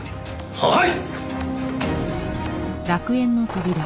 はい！